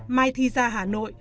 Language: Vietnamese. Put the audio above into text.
mai thi ra hà nội